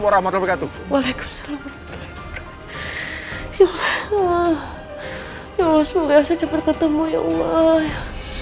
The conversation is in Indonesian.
warahmatullahi wabarakatuh waalaikumsalam ya allah semoga cepat ketemu ya allah ya